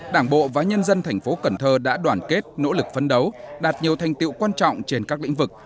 đảng bộ và nhân dân thành phố cần thơ đã đoàn kết nỗ lực phấn đấu đạt nhiều thành tiệu quan trọng trên các lĩnh vực